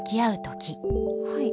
はい。